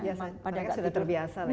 biasanya mereka sudah terbiasa